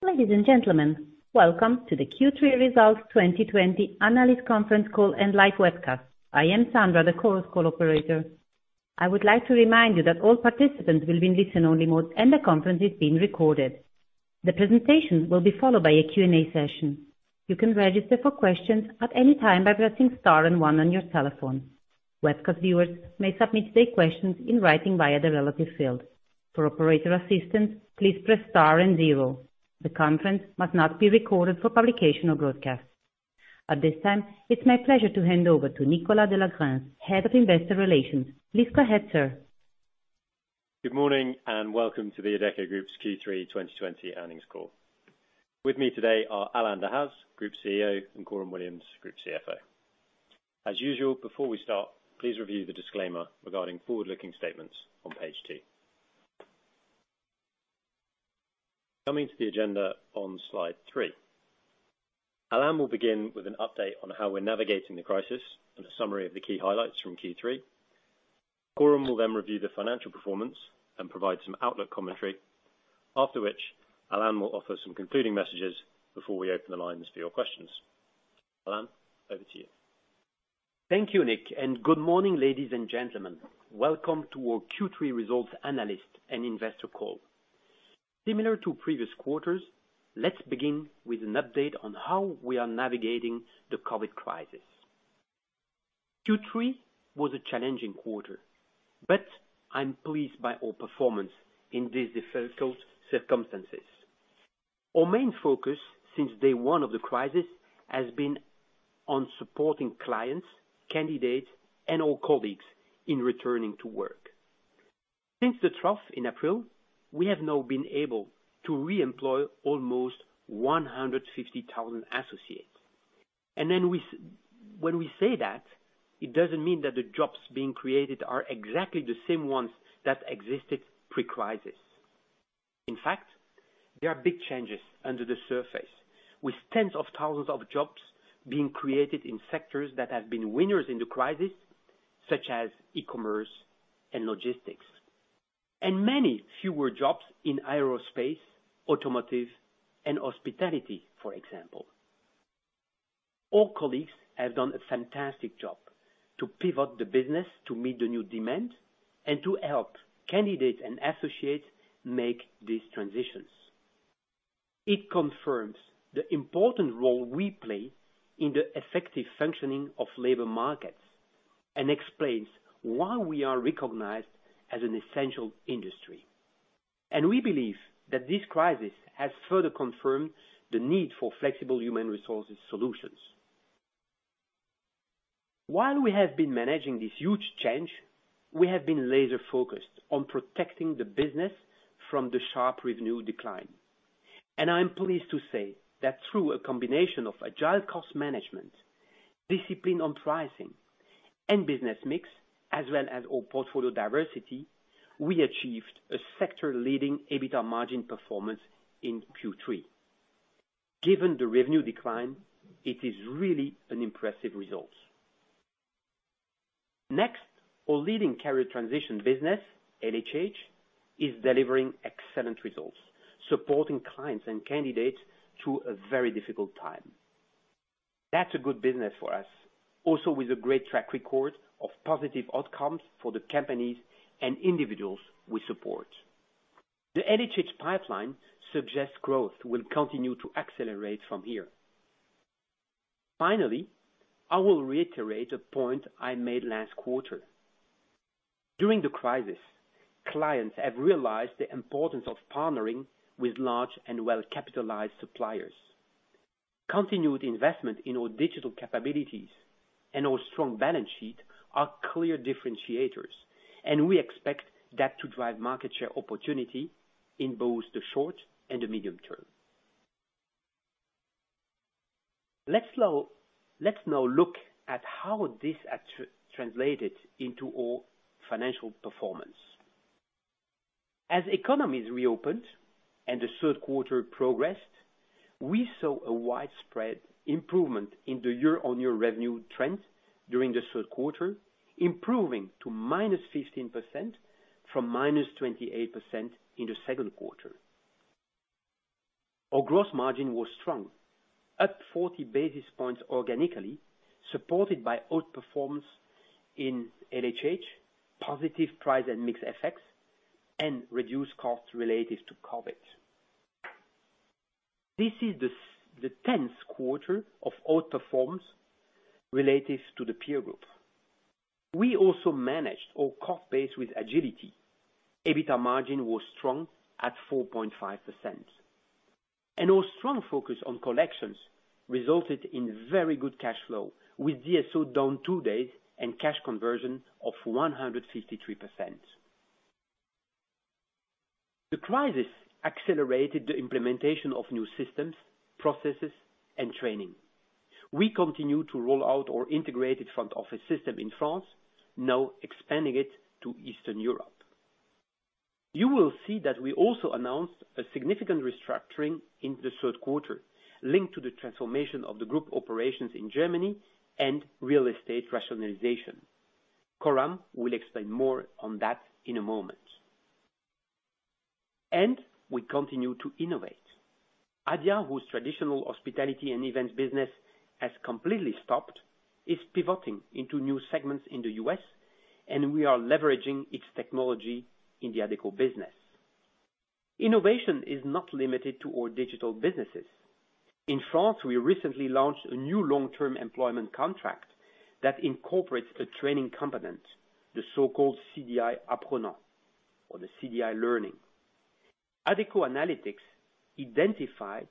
Ladies and gentlemen, welcome to the Q3 Results 2020 analyst conference call and live webcast. I am Sandra, the conference call operator. I would like to remind you that all participants will be in listen-only mode, and the conference is being recorded. The presentation will be followed by a Q&A session. You can register for questions at any time by pressing star and one on your telephone. Webcast viewers may submit their questions in writing via the relevant field. For operator assistance, please press star and zero. The conference must not be recorded for publication or broadcast. At this time, it is my pleasure to hand over to Nicholas de la Grense, Head of Investor Relations. Please go ahead, sir. Good morning, welcome to the Adecco Group's Q3 2020 earnings call. With me today are Alain Dehaze, Group CEO, and Coram Williams, Group CFO. As usual, before we start, please review the disclaimer regarding forward-looking statements on page two. Coming to the agenda on Slide three. Alain will begin with an update on how we're navigating the crisis and a summary of the key highlights from Q3. Coram will review the financial performance and provide some outlook commentary. After which, Alain will offer some concluding messages before we open the lines for your questions. Alain, over to you. Thank you, Nic. Good morning, ladies and gentlemen. Welcome to our Q3 results analyst and investor call. Similar to previous quarters, let's begin with an update on how we are navigating the COVID crisis. Q3 was a challenging quarter, but I'm pleased by our performance in these difficult circumstances. Our main focus since day one of the crisis has been on supporting clients, candidates, and our colleagues in returning to work. Since the trough in April, we have now been able to reemploy almost 150,000 associates. When we say that, it doesn't mean that the jobs being created are exactly the same ones that existed pre-crisis. In fact, there are big changes under the surface, with tens of thousands of jobs being created in sectors that have been winners in the crisis, such as e-commerce and logistics. Many fewer jobs in aerospace, automotive, and hospitality, for example. Our colleagues have done a fantastic job to pivot the business to meet the new demand and to help candidates and associates make these transitions. It confirms the important role we play in the effective functioning of labor markets and explains why we are recognized as an essential industry. We believe that this crisis has further confirmed the need for flexible human resources solutions. While we have been managing this huge change, we have been laser-focused on protecting the business from the sharp revenue decline. I am pleased to say that through a combination of agile cost management, discipline on pricing, and business mix, as well as our portfolio diversity, we achieved a sector-leading EBITDA margin performance in Q3. Given the revenue decline, it is really an impressive result. Next, our leading career transition business, LHH, is delivering excellent results, supporting clients and candidates through a very difficult time. That's a good business for us, also with a great track record of positive outcomes for the companies and individuals we support. The LHH pipeline suggests growth will continue to accelerate from here. I will reiterate a point I made last quarter. During the crisis, clients have realized the importance of partnering with large and well-capitalized suppliers. Continued investment in our digital capabilities and our strong balance sheet are clear differentiators, and we expect that to drive market share opportunity in both the short and the medium term. Let's now look at how this translated into our financial performance. As economies reopened and the third quarter progressed, we saw a widespread improvement in the year-on-year revenue trend during the third quarter, improving to -15% from -28% in the second quarter. Our gross margin was strong, up 40 basis points organically, supported by outperformance in LHH, positive price and mix effects, and reduced costs related to COVID. This is the 10th quarter of outperformance relative to the peer group. We also managed our cost base with agility. EBITDA margin was strong at 4.5%. Our strong focus on collections resulted in very good cash flow, with DSO down two days and cash conversion of 153%. The crisis accelerated the implementation of new systems, processes, and training. We continue to roll out our integrated front-office system in France, now expanding it to Eastern Europe. You will see that we also announced a significant restructuring in the third quarter linked to the transformation of the group operations in Germany and real estate rationalization. Coram will explain more on that in a moment. We continue to innovate. Adia, whose traditional hospitality and events business has completely stopped, is pivoting into new segments in the U.S., and we are leveraging its technology in the Adecco business. Innovation is not limited to all digital businesses. In France, we recently launched a new long-term employment contract that incorporates a training component, the so-called CDI Apprenant or the CDI Learning. Adecco Analytics identified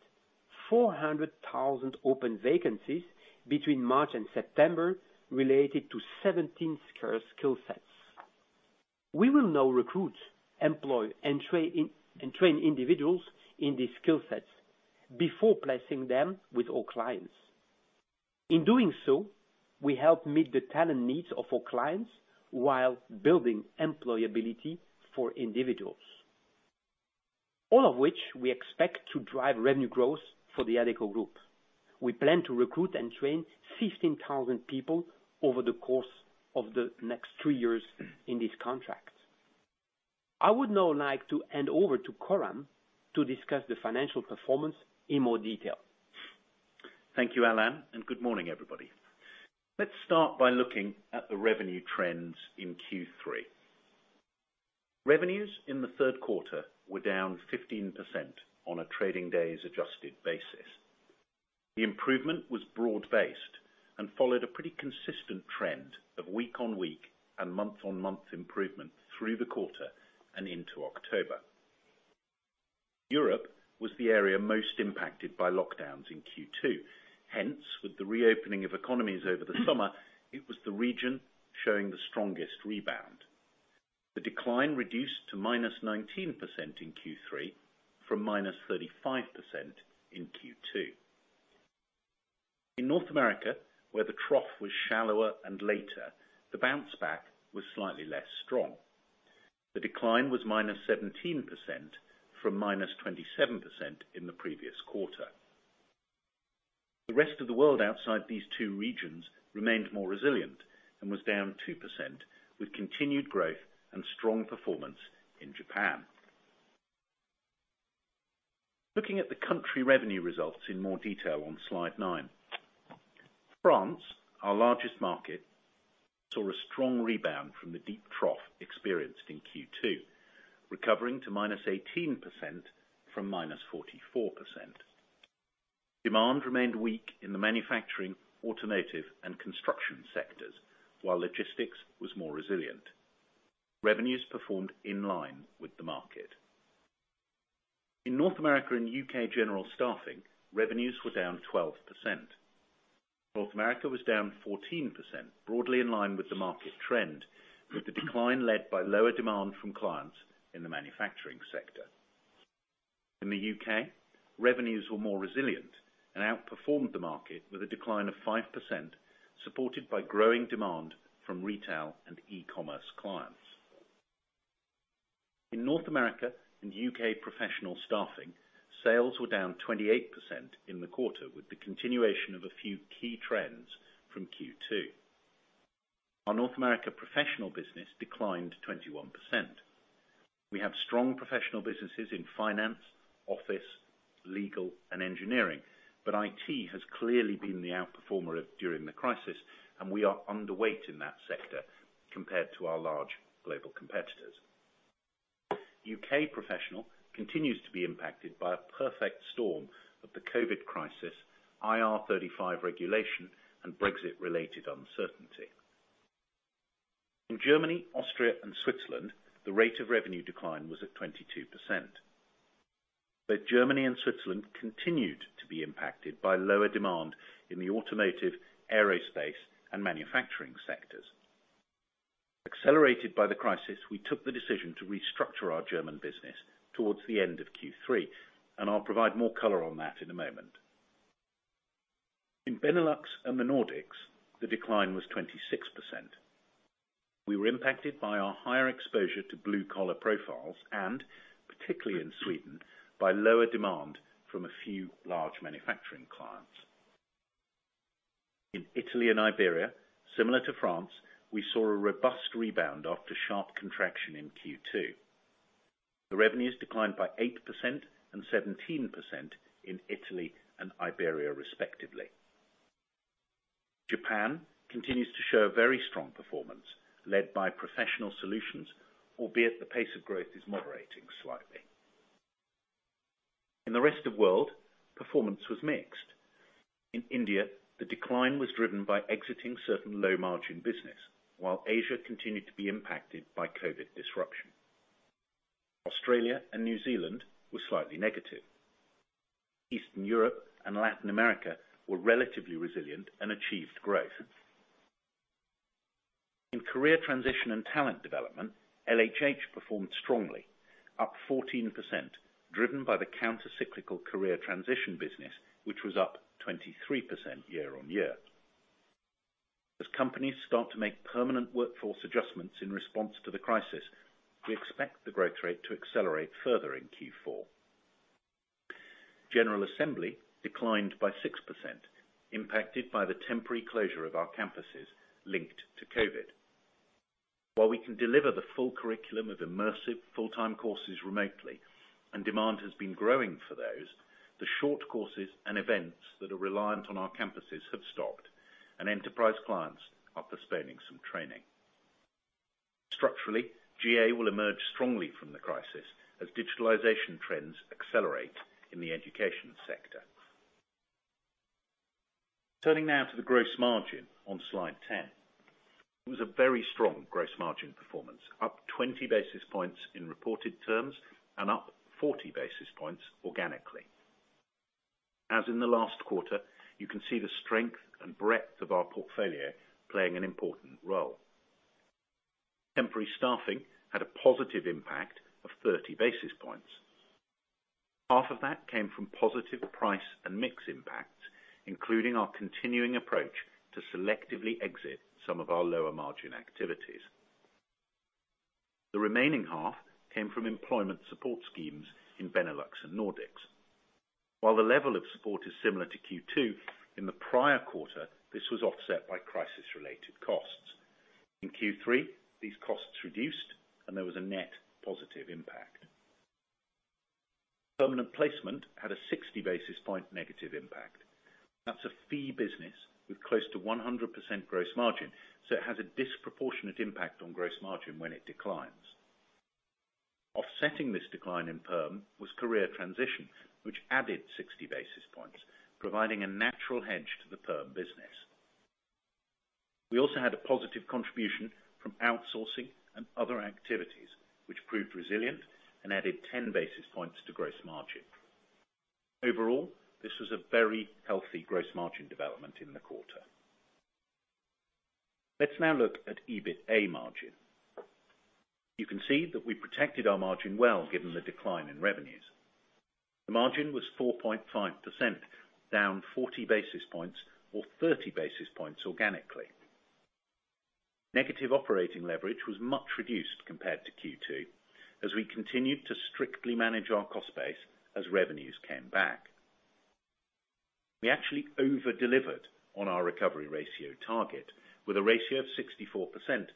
400,000 open vacancies between March and September related to 17 skill sets. We will now recruit, employ, and train individuals in these skill sets before placing them with all clients. In doing so, we help meet the talent needs of our clients while building employability for individuals. All of which we expect to drive revenue growth for the Adecco Group. We plan to recruit and train 15,000 people over the course of the next three years in this contract. I would now like to hand over to Coram to discuss the financial performance in more detail. Thank you, Alain, and good morning, everybody. Let's start by looking at the revenue trends in Q3. Revenues in the third quarter were down 15% on a trading days adjusted basis. The improvement was broad-based and followed a pretty consistent trend of week-on-week and month-on-month improvement through the quarter and into October. Europe was the area most impacted by lockdowns in Q2. With the reopening of economies over the summer, it was the region showing the strongest rebound. The decline reduced to -19% in Q3 from -35% in Q2. In North America, where the trough was shallower and later, the bounce back was slightly less strong. The decline was -17% from -27% in the previous quarter. The rest of the world outside these two regions remained more resilient and was down 2% with continued growth and strong performance in Japan. Looking at the country revenue results in more detail on slide nine. France, our largest market, saw a strong rebound from the deep trough experienced in Q2, recovering to -18% from -44%. Demand remained weak in the manufacturing, automotive, and construction sectors, while logistics was more resilient. Revenues performed in line with the market. In North America and U.K. general staffing, revenues were down 12%. North America was down 14%, broadly in line with the market trend, with the decline led by lower demand from clients in the manufacturing sector. In the U.K., revenues were more resilient and outperformed the market with a decline of 5%, supported by growing demand from retail and e-commerce clients. In North America and U.K. professional staffing, sales were down 28% in the quarter, with the continuation of a few key trends from Q2. Our North America professional business declined 21%. We have strong professional businesses in finance, office, legal, and engineering, but IT has clearly been the outperformer during the crisis, and we are underweight in that sector compared to our large global competitors. U.K. professional continues to be impacted by a perfect storm of the COVID-19 crisis, IR35 regulation, and Brexit-related uncertainty. In Germany, Austria and Switzerland, the rate of revenue decline was at 22%. Both Germany and Switzerland continued to be impacted by lower demand in the automotive, aerospace, and manufacturing sectors. Accelerated by the crisis, we took the decision to restructure our German business towards the end of Q3. I'll provide more color on that in a moment. In Benelux and the Nordics, the decline was 26%. We were impacted by our higher exposure to blue-collar profiles and, particularly in Sweden, by lower demand from a few large manufacturing clients. In Italy and Iberia, similar to France, we saw a robust rebound after sharp contraction in Q2. The revenues declined by 8% and 17% in Italy and Iberia respectively. Japan continues to show a very strong performance, led by professional solutions, albeit the pace of growth is moderating slightly. In the rest of world, performance was mixed. In India, the decline was driven by exiting certain low-margin business, while Asia continued to be impacted by COVID-19 disruption. Australia and New Zealand were slightly negative. Eastern Europe and Latin America were relatively resilient and achieved growth. In career transition and talent development, LHH performed strongly, up 14%, driven by the counter-cyclical career transition business, which was up 23% year-on-year. As companies start to make permanent workforce adjustments in response to the crisis, we expect the growth rate to accelerate further in Q4. General Assembly declined by 6%, impacted by the temporary closure of our campuses linked to COVID-19. While we can deliver the full curriculum of immersive full-time courses remotely, and demand has been growing for those, the short courses and events that are reliant on our campuses have stopped, and enterprise clients are postponing some training. Structurally, GA will emerge strongly from the crisis as digitalization trends accelerate in the education sector. Turning now to the gross margin on Slide 10. It was a very strong gross margin performance, up 20 basis points in reported terms and up 40 basis points organically. As in the last quarter, you can see the strength and breadth of our portfolio playing an important role. Temporary staffing had a positive impact of 30 basis points. Half of that came from positive price and mix impacts, including our continuing approach to selectively exit some of our lower margin activities. The remaining half came from employment support schemes in Benelux and Nordics. While the level of support is similar to Q2, in the prior quarter, this was offset by crisis-related costs. In Q3, these costs reduced, and there was a net positive impact. Permanent placement had a 60 basis point negative impact. That's a fee business with close to 100% gross margin, so it has a disproportionate impact on gross margin when it declines. Offsetting this decline in perm was Career Transition, which added 60 basis points, providing a natural hedge to the perm business. We also had a positive contribution from outsourcing and other activities, which proved resilient and added 10 basis points to gross margin. Overall, this was a very healthy gross margin development in the quarter. Let's now look at EBITA margin. You can see that we protected our margin well given the decline in revenues. The margin was 4.5%, down 40 basis points or 30 basis points organically. Negative operating leverage was much reduced compared to Q2, as we continued to strictly manage our cost base as revenues came back. We actually over-delivered on our recovery ratio target with a ratio of 64%,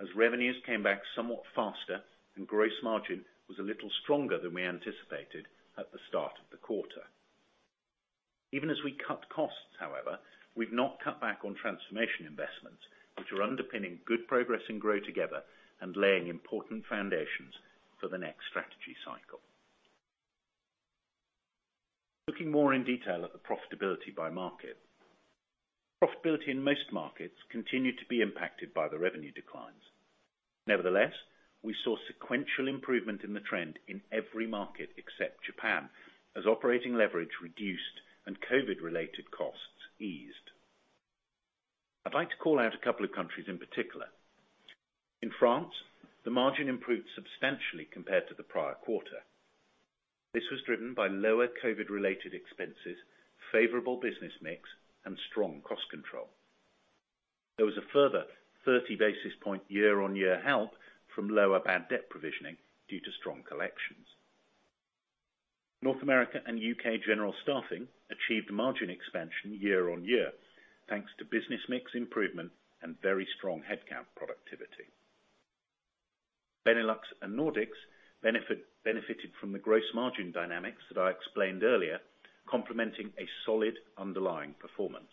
as revenues came back somewhat faster and gross margin was a little stronger than we anticipated at the start of the quarter. Even as we cut costs, however, we've not cut back on transformation investments, which are underpinning good progress in GrowTogether and laying important foundations for the next strategy cycle. Looking more in detail at the profitability by market. Profitability in most markets continued to be impacted by the revenue declines. Nevertheless, we saw sequential improvement in the trend in every market except Japan, as operating leverage reduced and COVID-19-related costs eased. I'd like to call out a couple of countries in particular. In France, the margin improved substantially compared to the prior quarter. This was driven by lower COVID-19-related expenses, favorable business mix, and strong cost control. There was a further 30 basis point year-on-year help from lower bad debt provisioning due to strong collections. North America and U.K. general staffing achieved margin expansion year-on-year, thanks to business mix improvement and very strong headcount productivity. Benelux and Nordics benefited from the gross margin dynamics that I explained earlier, complementing a solid underlying performance.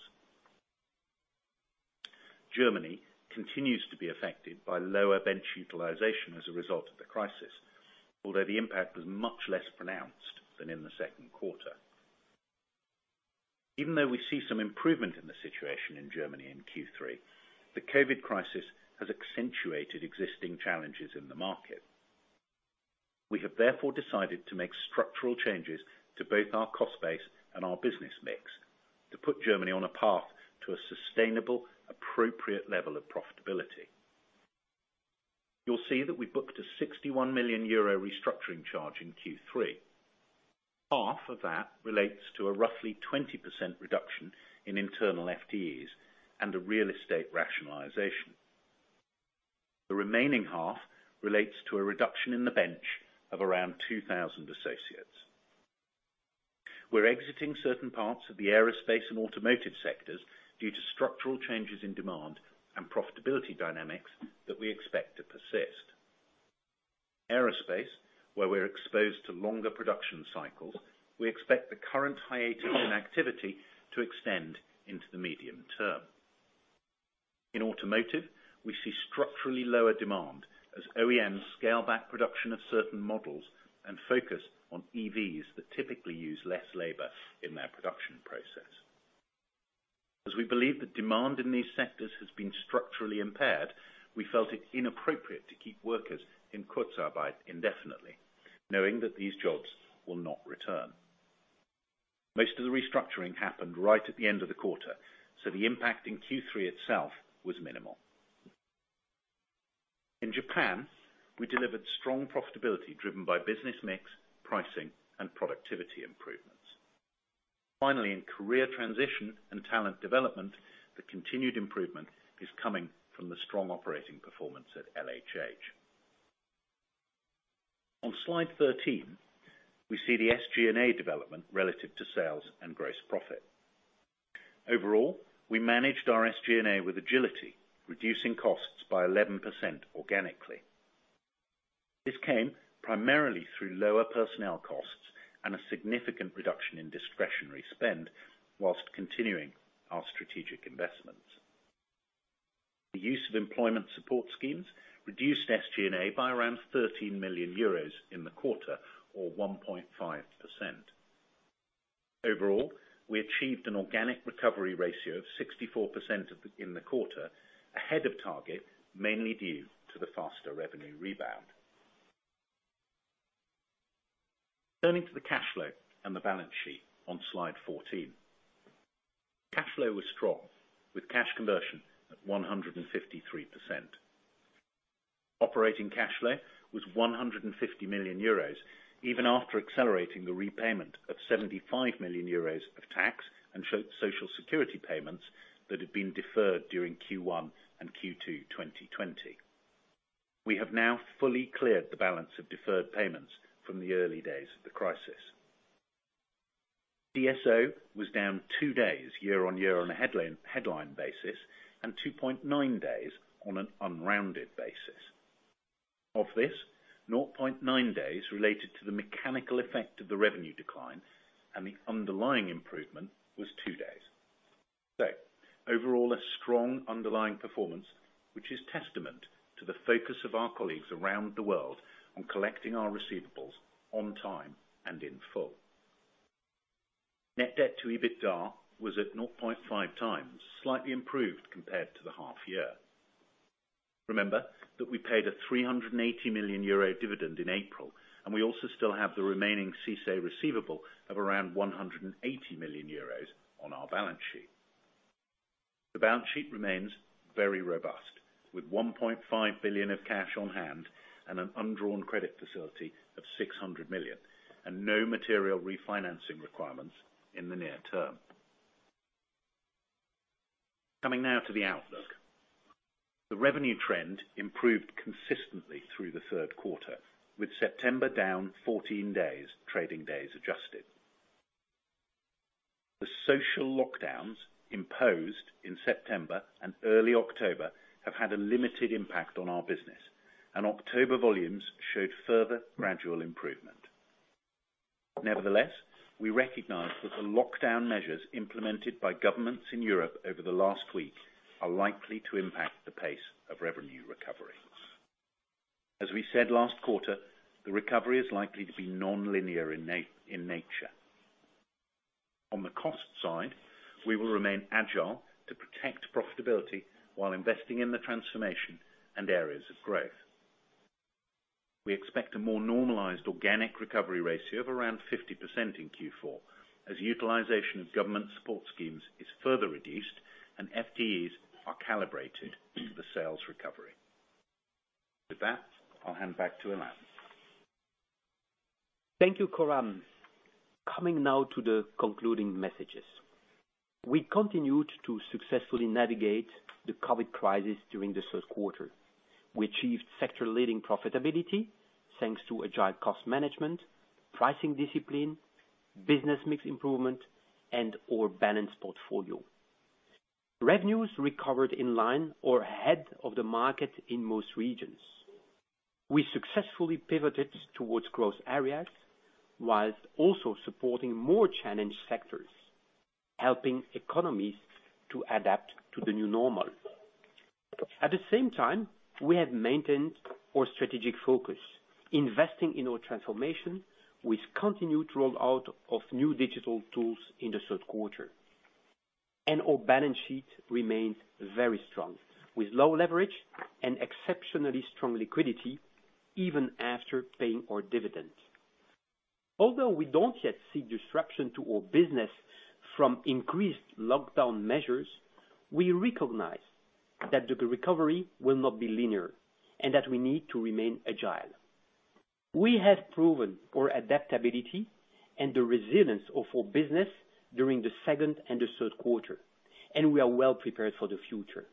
Germany continues to be affected by lower bench utilization as a result of the crisis, although the impact was much less pronounced than in the second quarter. Even though we see some improvement in the situation in Germany in Q3, the COVID crisis has accentuated existing challenges in the market. We have therefore decided to make structural changes to both our cost base and our business mix to put Germany on a path to a sustainable, appropriate level of profitability. You'll see that we booked a 61 million euro restructuring charge in Q3. Half of that relates to a roughly 20% reduction in internal FTEs and a real estate rationalization. The remaining half relates to a reduction in the bench of around 2,000 associates. We're exiting certain parts of the aerospace and automotive sectors due to structural changes in demand and profitability dynamics that we expect to persist. Aerospace, where we're exposed to longer production cycles, we expect the current hiatus in activity to extend into the medium term. In automotive, we see structurally lower demand as OEM scale back production of certain models and focus on EVs that typically use less labor in their production process. As we believe the demand in these sectors has been structurally impaired, we felt it inappropriate to keep workers in Kurzarbeit indefinitely, knowing that these jobs will not return. Most of the restructuring happened right at the end of the quarter. The impact in Q3 itself was minimal. In Japan, we delivered strong profitability driven by business mix, pricing, and productivity improvements. In career transition and talent development, the continued improvement is coming from the strong operating performance at LHH. On Slide 13, we see the SG&A development relative to sales and gross profit. Overall, we managed our SG&A with agility, reducing costs by 11% organically. This came primarily through lower personnel costs and a significant reduction in discretionary spend while continuing our strategic investments. The use of employment support schemes reduced SG&A by around 13 million euros in the quarter or 1.5%. Overall, we achieved an organic recovery ratio of 64% in the quarter, ahead of target, mainly due to the faster revenue rebound. Turning to the cash flow and the balance sheet on Slide 14. Cash flow was strong, with cash conversion at 153%. Operating cash flow was 150 million euros even after accelerating the repayment of 75 million euros of tax and social security payments that had been deferred during Q1 and Q2 2020. We have now fully cleared the balance of deferred payments from the early days of the crisis. DSO was down two days year-over-year on a headline basis, and 2.9 days on an unrounded basis. Of this, 0.9 days related to the mechanical effect of the revenue decline, and the underlying improvement was two days. Overall, a strong underlying performance, which is testament to the focus of our colleagues around the world on collecting our receivables on time and in full. Net debt to EBITDA was at 0.5x, slightly improved compared to the half year. Remember that we paid a 380 million euro dividend in April, and we also still have the remaining CICE receivable of around 180 million euros on our balance sheet. The balance sheet remains very robust, with 1.5 billion of cash on hand and an undrawn credit facility of 600 million, and no material refinancing requirements in the near term. Coming now to the outlook. The revenue trend improved consistently through the third quarter, with September down 14 days, trading days adjusted. The social lockdowns imposed in September and early October have had a limited impact on our business, and October volumes showed further gradual improvement. Nevertheless, we recognize that the lockdown measures implemented by governments in Europe over the last week are likely to impact the pace of revenue recovery. As we said last quarter, the recovery is likely to be nonlinear in nature. On the cost side, we will remain agile to protect profitability while investing in the transformation and areas of growth. We expect a more normalized organic recovery ratio of around 50% in Q4, as utilization of government support schemes is further reduced and FTEs are calibrated to the sales recovery. With that, I'll hand back to Alain. Thank you, Coram. Coming now to the concluding messages. We continued to successfully navigate the COVID crisis during this first quarter. We achieved sector-leading profitability thanks to agile cost management, pricing discipline, business mix improvement, and our balanced portfolio. Revenues recovered in line or ahead of the market in most regions. We successfully pivoted towards growth areas while also supporting more challenged sectors, helping economies to adapt to the new normal. At the same time, we have maintained our strategic focus, investing in our transformation with continued rollout of new digital tools in the third quarter. Our balance sheet remains very strong, with low leverage and exceptionally strong liquidity even after paying our dividend. Although we don't yet see disruption to our business from increased lockdown measures, we recognize that the recovery will not be linear and that we need to remain agile. We have proven our adaptability and the resilience of our business during the second and the third quarter. We are well prepared for the future.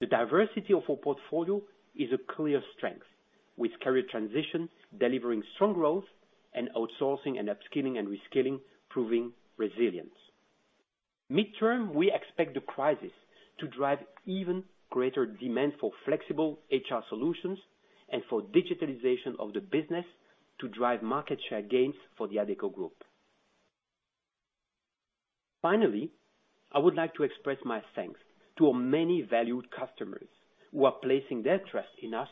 The diversity of our portfolio is a clear strength, with career transition delivering strong growth and outsourcing and upskilling and reskilling proving resilience. Mid-term, we expect the crisis to drive even greater demand for flexible HR solutions and for digitalization of the business to drive market share gains for the Adecco Group. Finally, I would like to express my thanks to our many valued customers who are placing their trust in us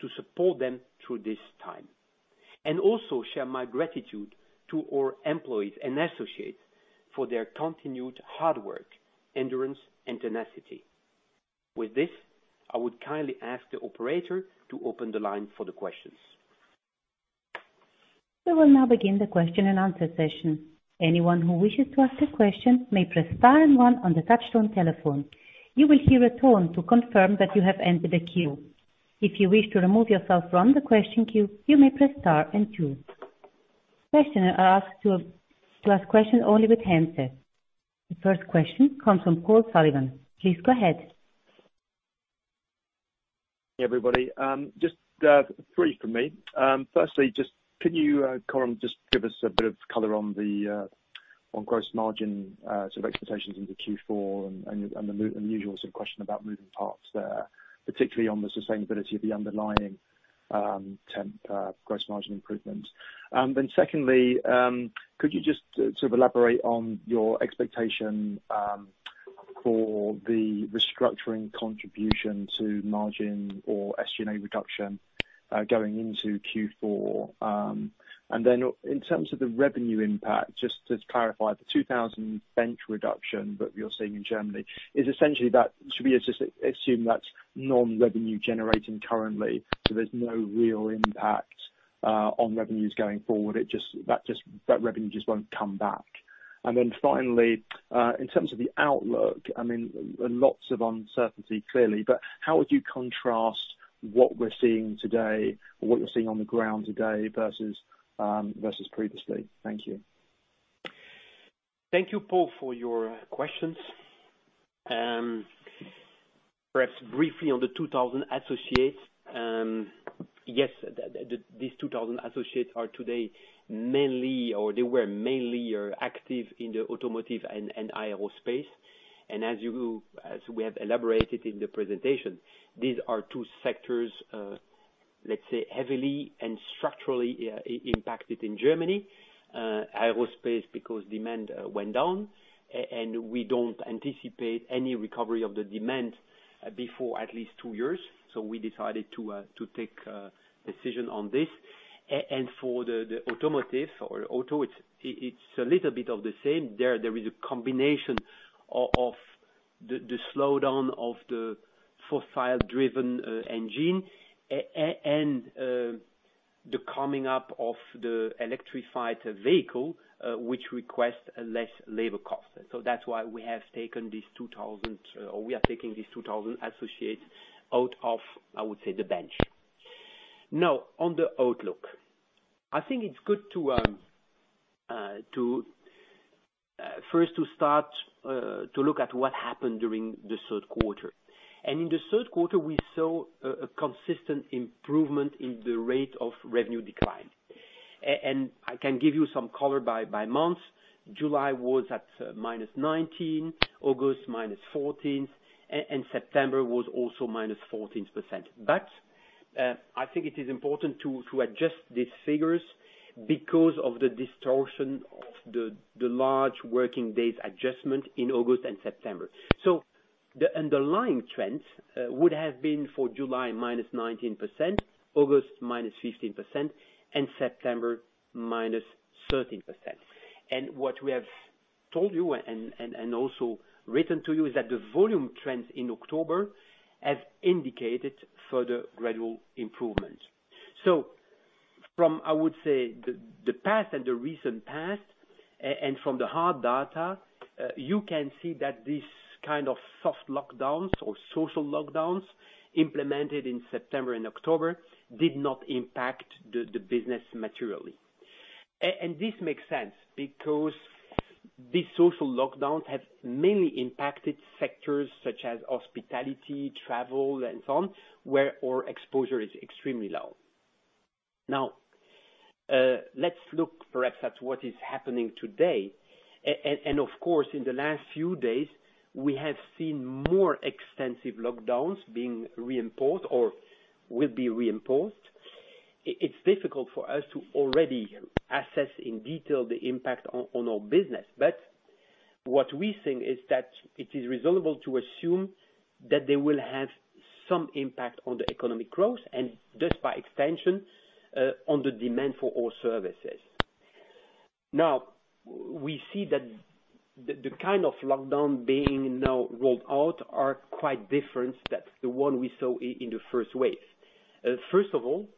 to support them through this time. I would also like to share my gratitude to our employees and associates for their continued hard work, endurance, and tenacity. With this, I would kindly ask the operator to open the line for the questions. We will now begin the question and answer session. Anyone who wishes to ask a question may press star and one on the touch-tone telephone. You will hear a tone to confirm that you have entered a queue. If you wish to remove yourself from the question queue, you may press star and two. Questions are asked to ask questions only with handset. The first question comes from Paul Sullivan. Please go ahead. Hey, everybody. Just three from me. Firstly, can you, Coram, just give us a bit of color on gross margin, sort of expectations into Q4 and the usual sort of question about moving parts there, particularly on the sustainability of the underlying temp gross margin improvement. Secondly, could you just sort of elaborate on your expectation for the restructuring contribution to margin or SG&A reduction going into Q4? In terms of the revenue impact, just to clarify, the 2,000 bench reduction that you're seeing in Germany is essentially that, should we just assume that's non-revenue generating currently, so there's no real impact on revenues going forward? That revenue just won't come back. Finally, in terms of the outlook, lots of uncertainty clearly, but how would you contrast what we're seeing today or what you're seeing on the ground today versus previously? Thank you. Thank you, Paul, for your questions. Perhaps briefly on the 2,000 associates. Yes, these 2,000 associates are today mainly, or they were mainly active in the automotive and aerospace. As we have elaborated in the presentation, these are two sectors, let's say, heavily and structurally impacted in Germany. Aerospace because demand went down, and we don't anticipate any recovery of the demand before at least two years. We decided to take a decision on this. For the automotive or auto, it's a little bit of the same. There is a combination of the slowdown of the fossil-driven engine and the coming up of the electrified vehicle, which requires less labor cost. That's why we are taking these 2,000 associates out of, I would say, the bench. Now, on the outlook. I think it's good first to start to look at what happened during the third quarter. In the third quarter, we saw a consistent improvement in the rate of revenue decline. I can give you some color by month. July was at -19%, August -14%, and September was also -14%. I think it is important to adjust these figures because of the distortion of the large working days adjustment in August and September. The underlying trends would have been for July, -19%, August, -15%, and September, -13%. What we have told you and also written to you is that the volume trends in October have indicated further gradual improvement. From, I would say, the recent past and from the hard data, you can see that this kind of soft lockdowns or social lockdowns implemented in September and October did not impact the business materially. This makes sense because these social lockdowns have mainly impacted sectors such as hospitality, travel, and so on, where our exposure is extremely low. Let's look perhaps at what is happening today. Of course, in the last few days, we have seen more extensive lockdowns being reimposed or will be reimposed. It's difficult for us to already assess in detail the impact on our business. What we think is that it is reasonable to assume that they will have some impact on the economic growth and just by extension, on the demand for all services. We see that the kind of lockdown being now rolled out are quite different than the one we saw in the first wave. First of all,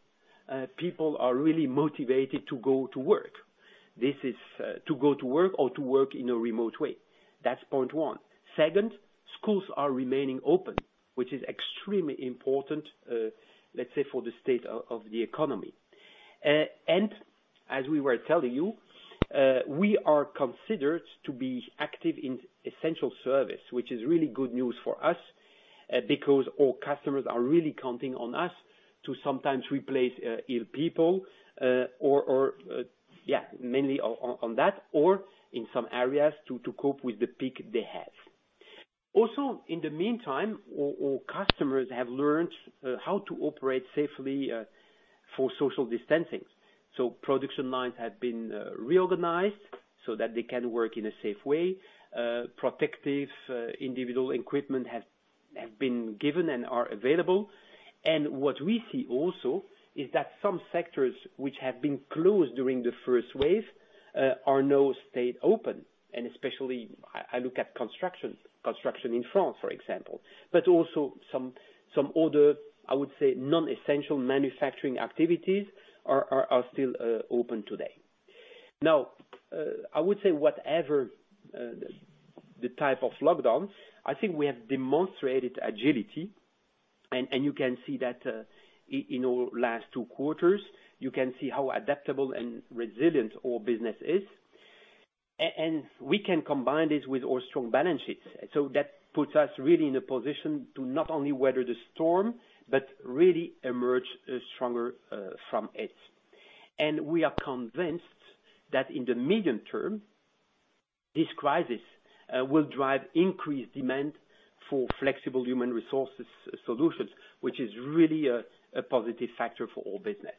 people are really motivated to go to work. This is to go to work or to work in a remote way. That's point one. Second, schools are remaining open, which is extremely important, let's say, for the state of the economy. As we were telling you, we are considered to be active in essential service, which is really good news for us because our customers are really counting on us to sometimes replace ill people, mainly on that, or in some areas to cope with the peak they have. Also, in the meantime, our customers have learned how to operate safely for social distancing. Production lines have been reorganized so that they can work in a safe way. Protective individual equipment have been given and are available. What we see also is that some sectors which have been closed during the first wave are now stayed open. Especially, I look at construction in France, for example. Also some other, I would say, non-essential manufacturing activities are still open today. Now, I would say whatever the type of lockdown, I think we have demonstrated agility. You can see that in our last two quarters, you can see how adaptable and resilient our business is. We can combine this with our strong balance sheets. That puts us really in a position to not only weather the storm, but really emerge stronger from it. We are convinced that in the medium term, this crisis will drive increased demand for flexible human resources solutions, which is really a positive factor for our business.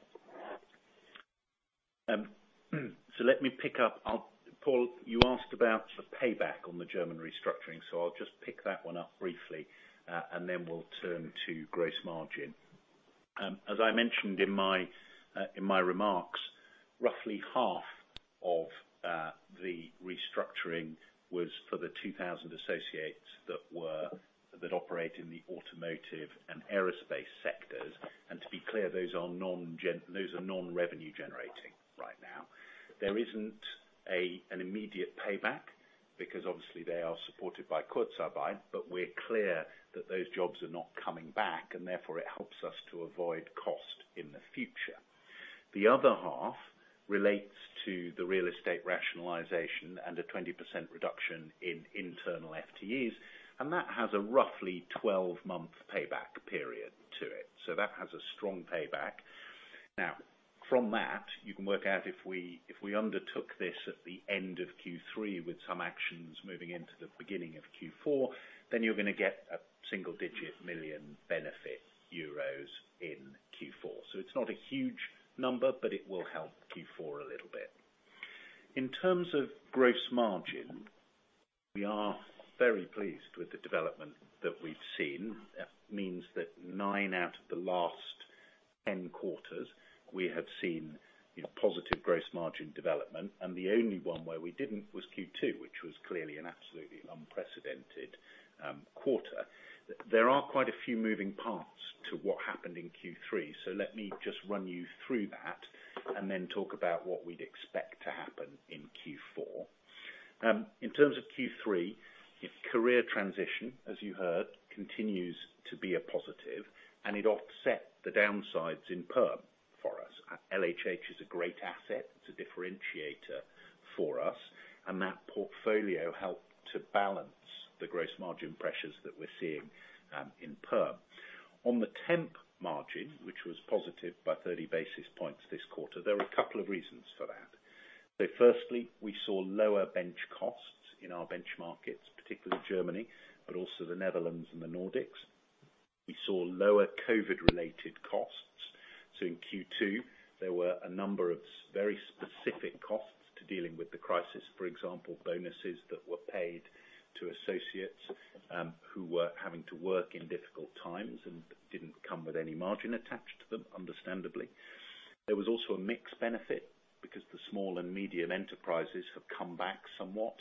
Let me pick up. Paul, you asked about the payback on the German restructuring, I'll just pick that one up briefly, and then we'll turn to gross margin. As I mentioned in my remarks, roughly half of the restructuring was for the 2,000 associates that operate in the automotive and aerospace sectors. To be clear, those are non-revenue generating right now. There isn't an immediate payback because obviously they are supported by Kurzarbeit, but we're clear that those jobs are not coming back, and therefore it helps us to avoid cost in the future. The other half relates to the real estate rationalization and a 20% reduction in internal FTEs, and that has a roughly 12-month payback period to it. That has a strong payback. From that, you can work out if we undertook this at the end of Q3 with some actions moving into the beginning of Q4, then you're going to get a EUR single-digit million benefit in Q4. It's not a huge number, but it will help Q4 a little bit. In terms of gross margin, we are very pleased with the development that we've seen. That means that nine out of the last 10 quarters we have seen positive gross margin development, and the only one where we didn't was Q2, which was clearly an absolutely unprecedented quarter. There are quite a few moving parts to what happened in Q3. Let me just run you through that and then talk about what we'd expect to happen in Q4. In terms of Q3, career transition, as you heard, continues to be a positive and it offset the downsides in perm for us. LHH is a great asset. It's a differentiator for us, and that portfolio helped to balance the gross margin pressures that we're seeing in perm. On the temp margin, which was positive by 30 basis points this quarter, there are a couple of reasons for that. Firstly, we saw lower bench costs in our bench markets, particularly Germany, but also the Netherlands and the Nordics. We saw lower COVID-related costs. In Q2, there were a number of very specific costs to dealing with the crisis. For example, bonuses that were paid to associates who were having to work in difficult times and didn't come with any margin attached to them, understandably. There was also a mixed benefit because the small and medium enterprises have come back somewhat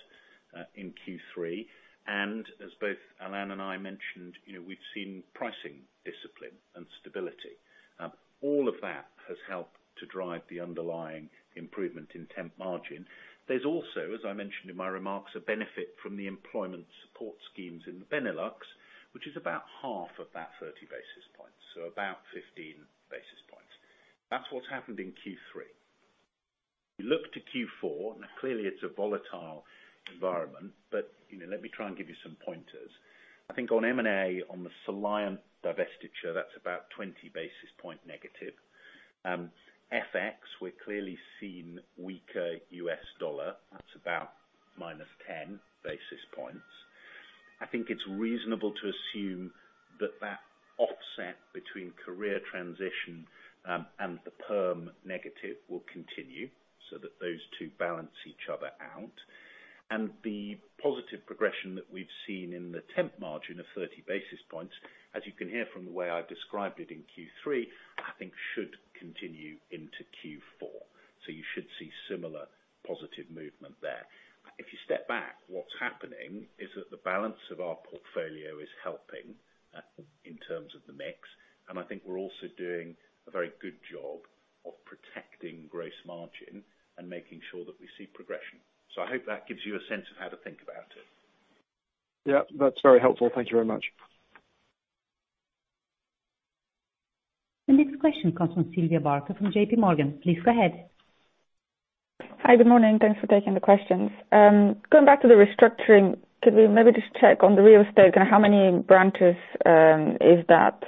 in Q3. As both Alain and I mentioned, we've seen pricing discipline and stability. All of that has helped to drive the underlying improvement in temp margin. There's also, as I mentioned in my remarks, a benefit from the employment support schemes in the Benelux, which is about half of that 30 basis points, so about 15 basis points. That's what happened in Q3. You look to Q4, now clearly it's a volatile environment, let me try and give you some pointers. I think on M&A, on the Soliant divestiture, that's about 20 basis point negative. FX, we're clearly seeing weaker US dollar, that's about minus 10 basis points. I think it's reasonable to assume that that offset between career transition and the perm negative will continue, so that those two balance each other out. The positive progression that we've seen in the temp margin of 30 basis points, as you can hear from the way I've described it in Q3, I think should continue into Q4. You should see similar positive movement there. If you step back, what's happening is that the balance of our portfolio is helping in terms of the mix, and I think we're also doing a very good job of protecting gross margin and making sure that we see progression. I hope that gives you a sense of how to think about it. Yeah, that's very helpful. Thank you very much. The next question comes from Sylvia Barker, from JPMorgan. Please go ahead. Hi, good morning. Thanks for taking the questions. Going back to the restructuring, could we maybe just check on the real estate and how many branches is that?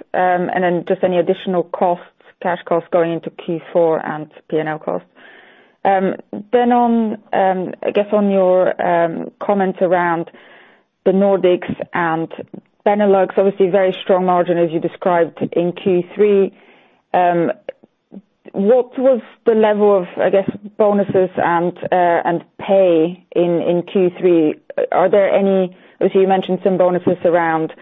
Just any additional costs, cash costs going into Q4 and P&L costs. I guess on your comments around the Nordics and Benelux, obviously very strong margin as you described in Q3. What was the level of, I guess, bonuses and pay in Q3? Are there any, obviously you mentioned some bonuses around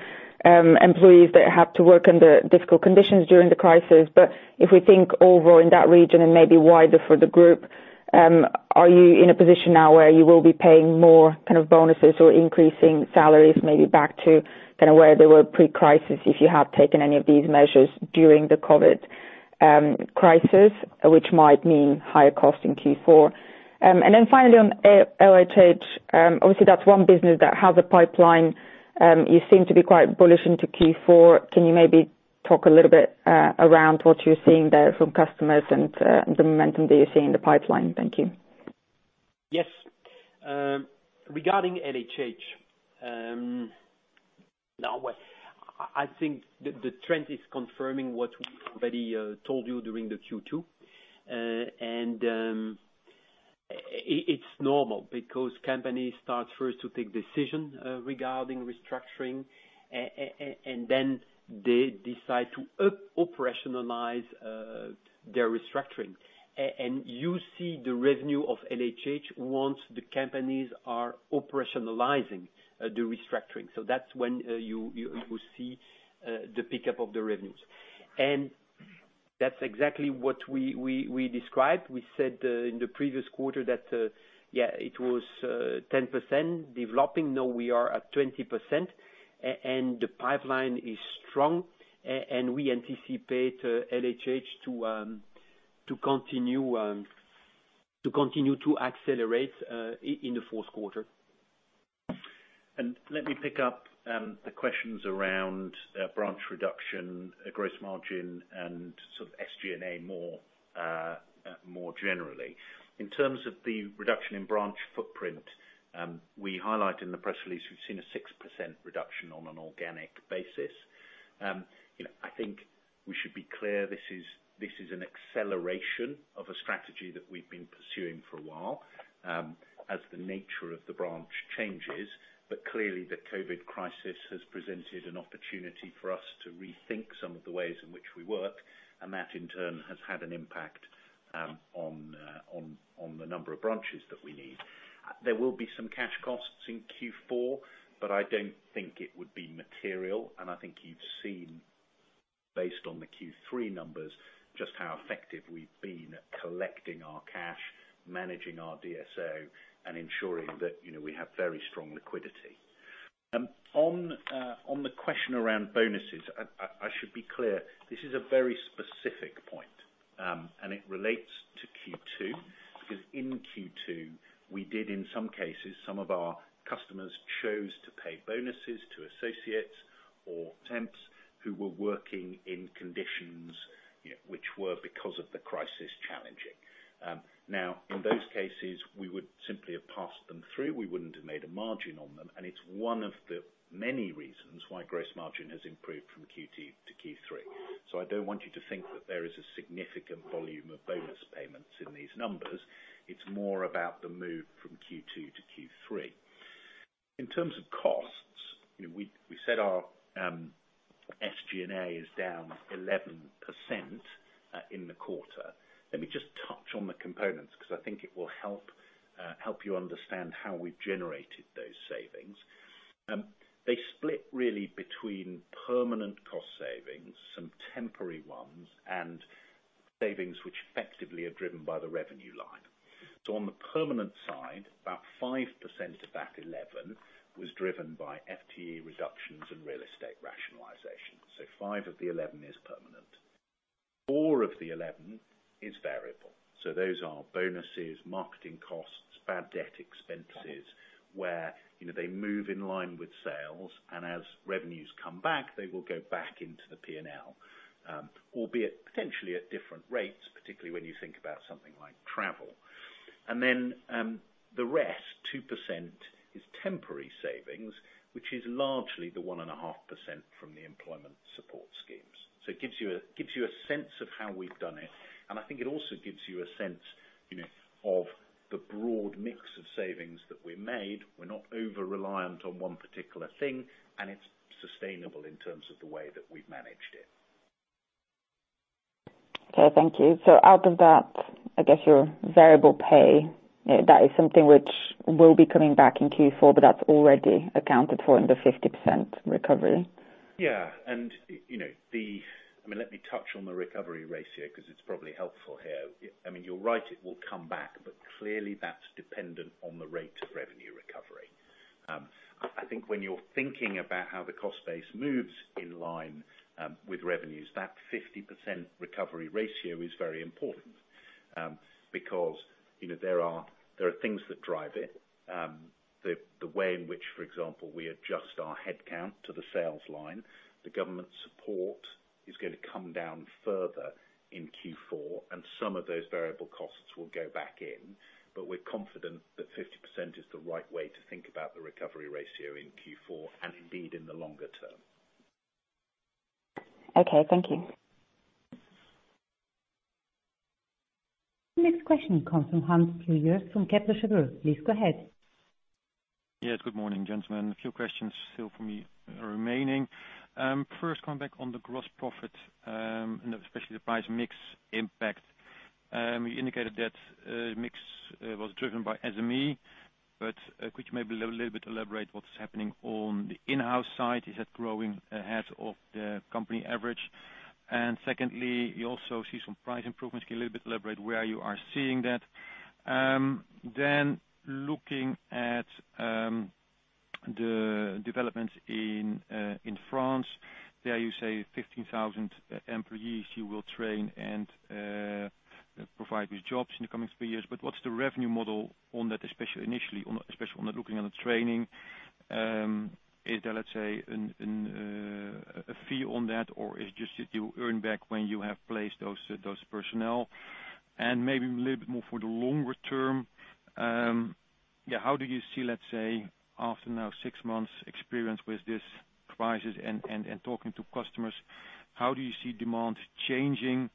employees that have to work under difficult conditions during the crisis, but if we think overall in that region and maybe wider for the group, are you in a position now where you will be paying more bonuses or increasing salaries maybe back to where they were pre-crisis, if you have taken any of these measures during the COVID crisis? crisis, which might mean higher cost in Q4. Finally on LHH, obviously that's one business that has a pipeline. You seem to be quite bullish into Q4. Can you maybe talk a little bit around what you're seeing there from customers and the momentum that you see in the pipeline? Thank you. Yes. Regarding LHH, I think the trend is confirming what we already told you during the Q2. It's normal, because companies start first to take decision regarding restructuring, and then they decide to operationalize their restructuring. You see the revenue of LHH once the companies are operationalizing the restructuring. That's when you will see the pickup of the revenues. That's exactly what we described. We said in the previous quarter that it was 10% developing. Now we are at 20% and the pipeline is strong, and we anticipate LHH to continue to accelerate in the fourth quarter. Let me pick up the questions around branch reduction, gross margin, and sort of SG&A more generally. In terms of the reduction in branch footprint, we highlight in the press release, we've seen a 6% reduction on an organic basis. I think we should be clear, this is an acceleration of a strategy that we've been pursuing for a while, as the nature of the branch changes. Clearly the COVID crisis has presented an opportunity for us to rethink some of the ways in which we work, and that in turn has had an impact on the number of branches that we need. There will be some cash costs in Q4, but I don't think it would be material, and I think you've seen based on the Q3 numbers, just how effective we've been at collecting our cash, managing our DSO, and ensuring that we have very strong liquidity. On the question around bonuses, I should be clear, this is a very specific point, and it relates to Q2. In Q2, we did in some cases, some of our customers chose to pay bonuses to associates or temps who were working in conditions which were, because of the crisis, challenging. In those cases, we would simply have passed them through. We wouldn't have made a margin on them, and it's one of the many reasons why gross margin has improved from Q2 to Q3. I don't want you to think that there is a significant volume of bonus payments in these numbers. It's more about the move from Q2 to Q3. In terms of costs, we said our SG&A is down 11% in the quarter. Let me just touch on the components, because I think it will help you understand how we generated those savings. They split really between permanent cost savings, some temporary ones, and savings which effectively are driven by the revenue line. On the permanent side, about 5% of that 11 was driven by FTE reductions and real estate rationalization. 5 of the 11 is permanent. 4 of the 11 is variable. Those are bonuses, marketing costs, bad debt expenses, where they move in line with sales, and as revenues come back, they will go back into the P&L. Albeit potentially at different rates, particularly when you think about something like travel. The rest, 2%, is temporary savings, which is largely the 1.5% from the employment support schemes. It gives you a sense of how we've done it, and I think it also gives you a sense of the broad mix of savings that we made. We're not over-reliant on one particular thing, and it's sustainable in terms of the way that we've managed it. Okay, thank you. Out of that, I guess your variable pay, that is something which will be coming back in Q4, but that's already accounted for in the 50% recovery? Let me touch on the recovery ratio, because it's probably helpful here. You're right, it will come back, but clearly that's dependent on the rate of revenue recovery. I think when you're thinking about how the cost base moves in line with revenues, that 50% recovery ratio is very important. There are things that drive it. The way in which, for example, we adjust our head count to the sales line. The government support is going to come down further in Q4, and some of those variable costs will go back in. We're confident that 50% is the right way to think about the recovery ratio in Q4, and indeed in the longer term. Okay, thank you. The next question comes from Hans Pluijgers from Kepler Cheuvreux. Please go ahead. Yes, good morning, gentlemen. A few questions still for me remaining. Coming back on the gross profit, and especially the price mix impact. You indicated that mix was driven by SME, could you maybe a little bit elaborate what's happening on the in-house side? Is that growing ahead of the company average? Secondly, you also see some price improvements. Can you a little bit elaborate where you are seeing that? Looking at the developments in France. There you say 15,000 employees you will train and provide with jobs in the coming three years. What's the revenue model on that, especially initially, especially on that looking on the training? Is there a fee on that, or is just that you earn back when you have placed those personnel? Maybe a little bit more for the longer term, how do you see, let's say, after now six months experience with this crisis and talking to customers, how do you see demand changing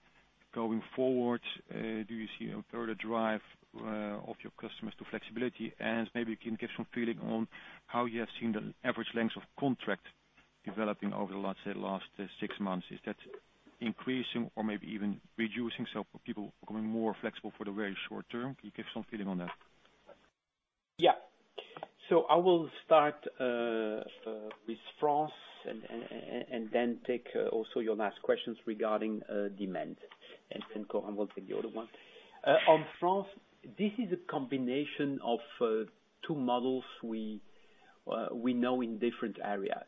going forward? Do you see a further drive of your customers to flexibility? Maybe you can give some feeling on how you have seen the average length of contract developing over the last, say, six months. Is that increasing or maybe even reducing? People becoming more flexible for the very short term. Can you give some feeling on that? I will start with France and then take also your last questions regarding demand, and then Coram will take the other one. On France, this is a combination of two models we know in different areas.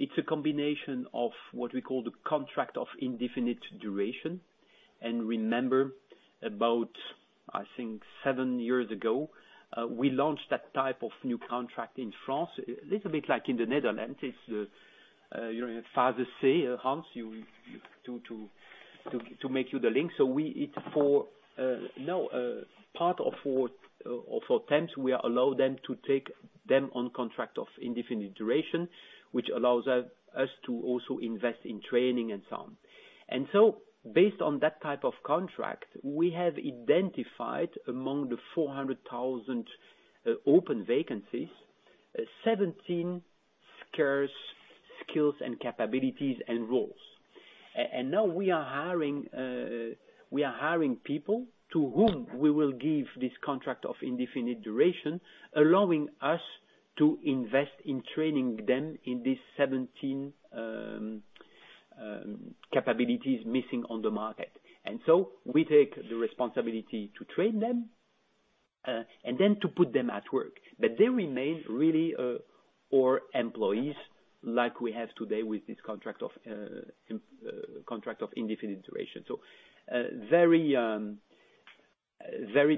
It's a combination of what we call the contract of indefinite duration. Remember, about, I think seven years ago, we launched that type of new contract in France, a little bit like in the Netherlands. It's, you know, to make you the link. For now part of our temps, we allow them to take them on contract of indefinite duration, which allows us to also invest in training and so on. Based on that type of contract, we have identified among the 400,000 open vacancies, 17 scarce skills and capabilities and roles. Now we are hiring people to whom we will give this contract of indefinite duration, allowing us to invest in training them in these 17 capabilities missing on the market. We take the responsibility to train them, and then to put them at work. They remain really our employees like we have today with this contract of indefinite duration. Very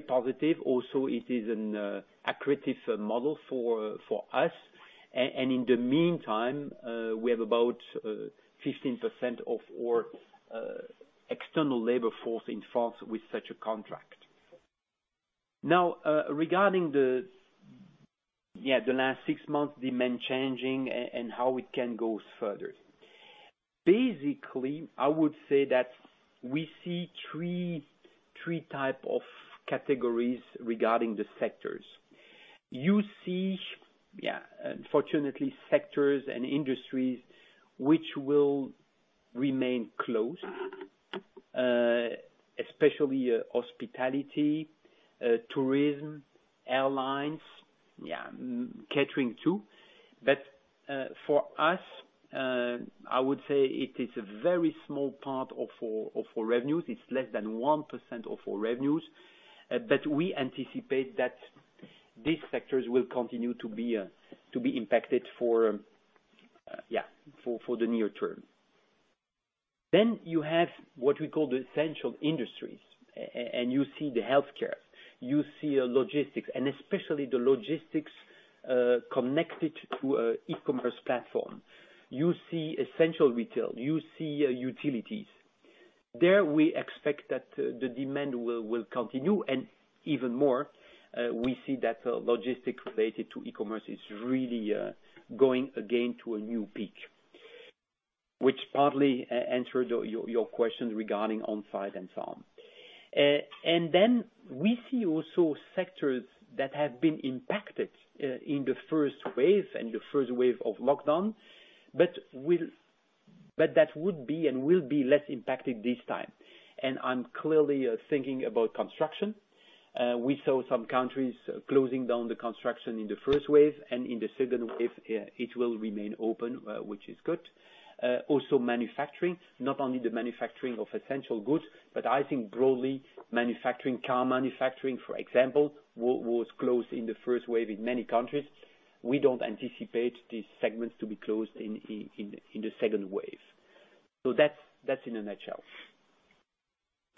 positive also it is an accretive model for us. In the meantime, we have about 15% of our external labor force in France with such a contract. Now, regarding the last six months demand changing and how it can go further. Basically, I would say that we see three type of categories regarding the sectors. You see, unfortunately sectors and industries which will remain closed, especially hospitality, tourism, airlines, catering too. For us, I would say it is a very small part of our revenues. It is less than 1% of our revenues. We anticipate that these sectors will continue to be impacted for the near term. You have what we call the essential industries. You see the healthcare, you see logistics, and especially the logistics connected to e-commerce platform. You see essential retail, you see utilities. There we expect that the demand will continue and even more, we see that logistics related to e-commerce is really going again to a new peak, which partly answered your question regarding on-site and so on. We see also sectors that have been impacted in the first wave, and the first wave of lockdown, but that would be and will be less impacted this time. I am clearly thinking about construction. We saw some countries closing down the construction in the first wave and in the second wave, it will remain open, which is good. Also manufacturing, not only the manufacturing of essential goods, but I think broadly manufacturing, car manufacturing, for example, was closed in the first wave in many countries. We don't anticipate these segments to be closed in the second wave. That's in a nutshell.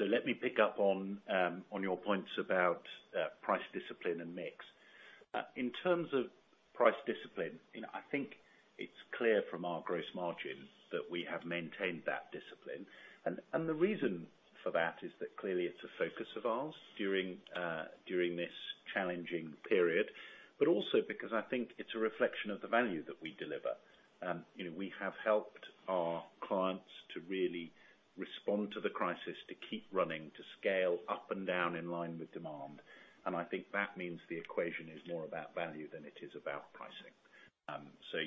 Let me pick up on your points about price discipline and mix. In terms of price discipline, I think it's clear from our gross margin that we have maintained that discipline. The reason for that is that clearly it's a focus of ours during this challenging period, but also because I think it's a reflection of the value that we deliver. We have helped our clients to really respond to the crisis, to keep running, to scale up and down in line with demand. I think that means the equation is more about value than it is about pricing.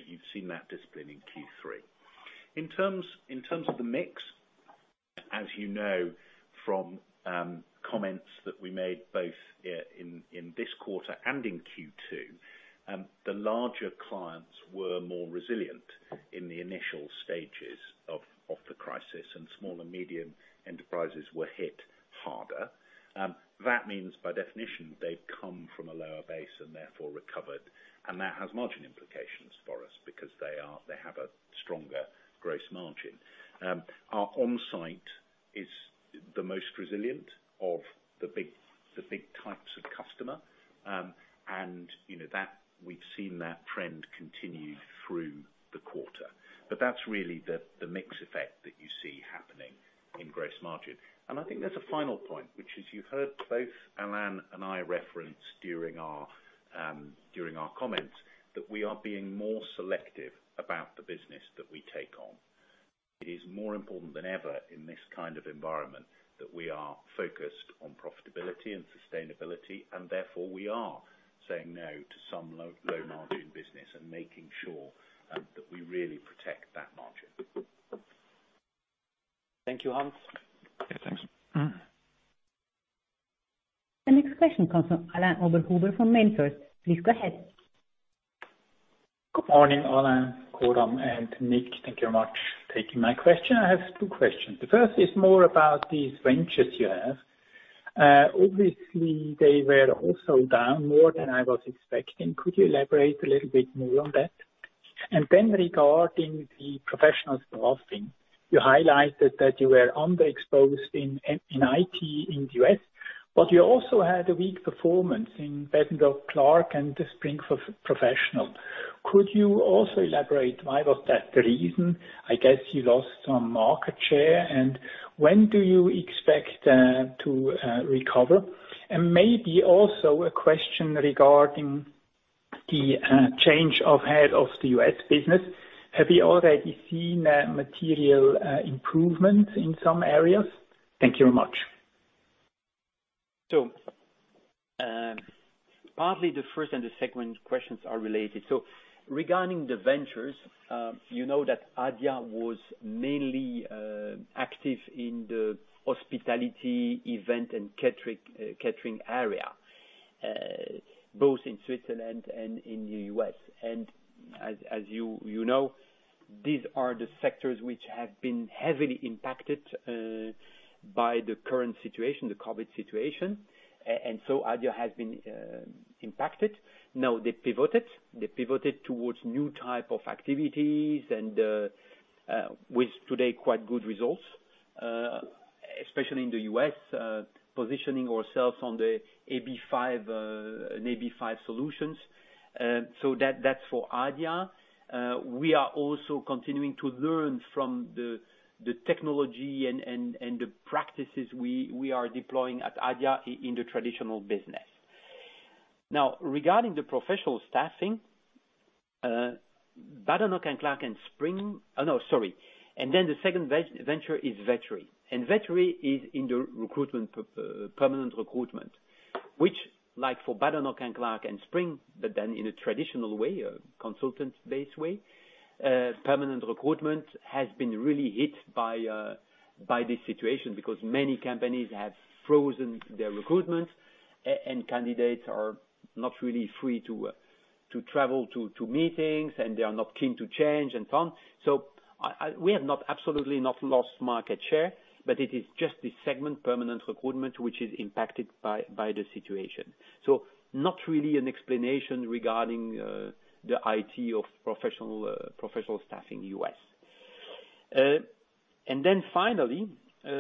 You've seen that discipline in Q3. In terms of the mix, as you know from comments that we made both in this quarter and in Q2. The larger clients were more resilient in the initial stages of the crisis, and small and medium enterprises were hit harder. That means, by definition, they've come from a lower base and therefore recovered. That has margin implications for us because they have a stronger gross margin. Our onsite is the most resilient of the big types of customer. We've seen that trend continue through the quarter. That's really the mix effect that you see happening in gross margin. I think there's a final point, which is you heard both Alain and I reference during our comments, that we are being more selective about the business that we take on. It is more important than ever in this kind of environment that we are focused on profitability and sustainability, and therefore we are saying no to some low margin business and making sure that we really protect that margin. Thank you, Hans. Yeah, thanks. The next question comes from Alain Oberhuber from MainFirst. Please go ahead. Good morning, Alain, Coram, and Nic. Thank you very much for taking my question. I have two questions. The first is more about these ventures you have. Obviously, they were also down more than I was expecting. Could you elaborate a little bit more on that? Then regarding the professional staffing, you highlighted that you were underexposed in IT in the U.S., but you also had a weak performance in Badenoch & Clark and the Spring Professional. Could you also elaborate why was that the reason? I guess you lost some market share. When do you expect to recover? Maybe also a question regarding the change of head of the U.S. business. Have you already seen material improvements in some areas? Thank you very much. Partly the first and the second questions are related. Regarding the ventures, you know that Adia was mainly active in the hospitality event and catering area, both in Switzerland and in the U.S. As you know, these are the sectors which have been heavily impacted by the current situation, the COVID situation. Adia has been impacted. They pivoted. They pivoted towards new type of activities and with today quite good results, especially in the U.S., positioning ourselves on the AB5 solutions. That's for Adia. We are also continuing to learn from the technology and the practices we are deploying at Adia in the traditional business. Regarding the professional staffing, Badenoch & Clark and Spring. The second venture is Vettery. Vettery is in the permanent recruitment, which like for Badenoch & Clark and Spring, but then in a traditional way, a consultant-based way. Permanent recruitment has been really hit by this situation because many companies have frozen their recruitment and candidates are not really free to travel to meetings, and they are not keen to change and so on. We have absolutely not lost market share, but it is just this segment, permanent recruitment, which is impacted by the situation. Not really an explanation regarding the IT of professional staffing U.S. Finally,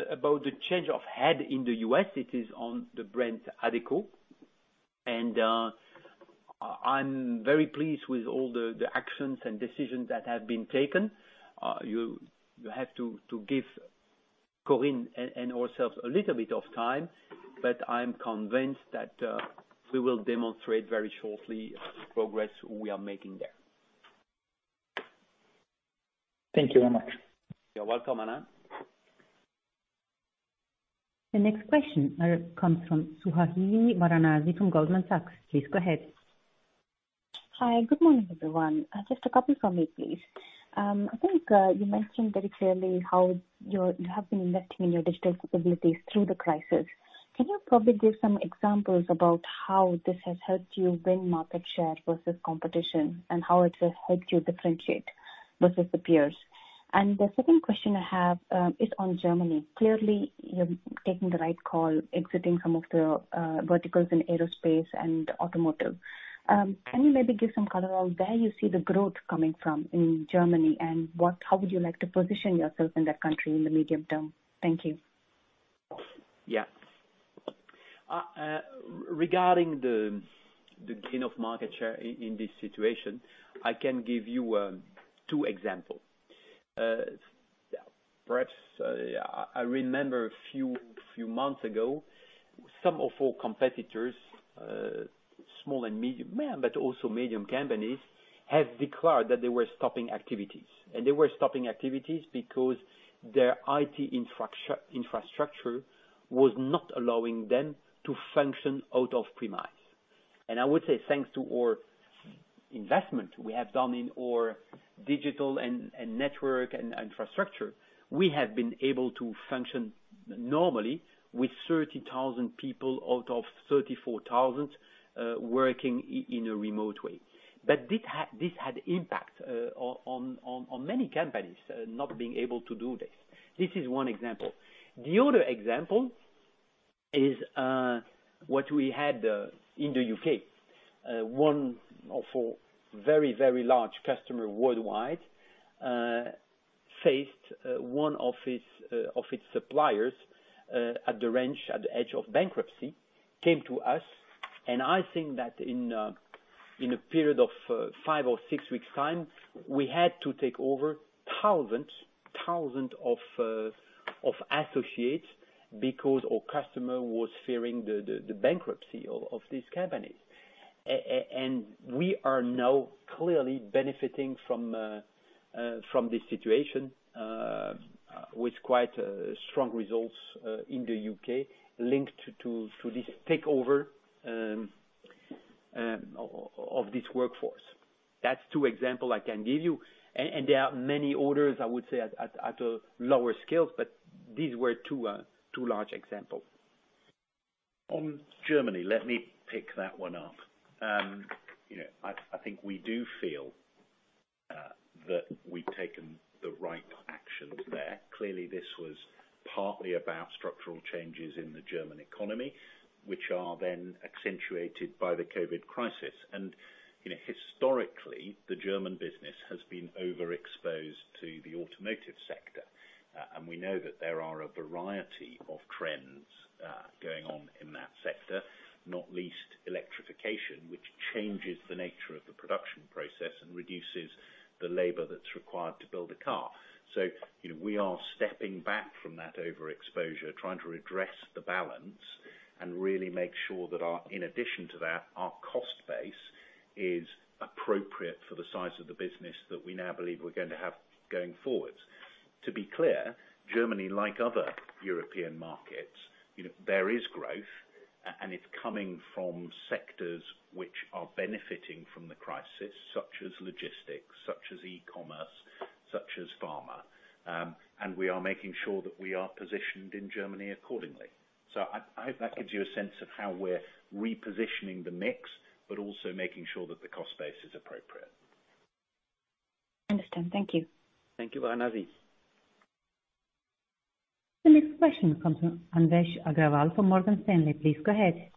about the change of head in the U.S., it is on the brand Adecco, and I'm very pleased with all the actions and decisions that have been taken. You have to give Corinne and ourselves a little bit of time, but I'm convinced that we will demonstrate very shortly progress we are making there. Thank you very much. You're welcome, Alain. The next question comes from Suhasini Varanasi from Goldman Sachs. Please go ahead. Hi. Good morning, everyone. Just a couple from me, please. I think you mentioned very clearly how you have been investing in your digital capabilities through the crisis. Can you probably give some examples about how this has helped you win market share versus competition and how it has helped you differentiate versus the peers? The second question I have is on Germany. Clearly, you're taking the right call exiting some of the verticals in aerospace and automotive. Can you maybe give some color on where you see the growth coming from in Germany and how would you like to position yourself in that country in the medium term? Thank you. Yeah. Regarding the gain of market share in this situation, I can give you two examples. Perhaps, I remember a few months ago, some of our competitors, small and medium, but also medium companies, have declared that they were stopping activities. They were stopping activities because their IT infrastructure was not allowing them to function out of premise. I would say thanks to investment we have done in our digital and network and infrastructure. We have been able to function normally with 30,000 people out of 34,000 working in a remote way. This had impact on many companies not being able to do this. This is one example. The other example is what we had in the U.K. One of our very, very large customer worldwide faced one of its suppliers at the edge of bankruptcy, came to us and I think that in a period of five or six weeks time, we had to take over thousands of associates because our customer was fearing the bankruptcy of this company. We are now clearly benefiting from this situation with quite strong results in the U.K. linked to this takeover of this workforce. That's two example I can give you. There are many others, I would say at a lower scale. These were two large examples. On Germany, let me pick that one up. I think I do feel that we've taken the right actions there. Clearly, this was partly about structural changes in the German economy, which are then accentuated by the COVID-19 crisis. Historically, the German business has been overexposed to the automotive sector. We know that there are a variety of trends going on in that sector, not least electrification, which changes the nature of the production process and reduces the labor that's required to build a car. We are stepping back from that overexposure, trying to redress the balance and really make sure that in addition to that, our cost base is appropriate for the size of the business that we now believe we're going to have going forward. To be clear, Germany, like other European markets, there is growth, and it's coming from sectors which are benefiting from the crisis, such as logistics, such as e-commerce, such as pharma. We are making sure that we are positioned in Germany accordingly. I hope that gives you a sense of how we're repositioning the mix, but also making sure that the cost base is appropriate. Understand. Thank you. Thank you, Varanasi. The next question comes from Anvesh Agrawal from Morgan Stanley. Please go ahead.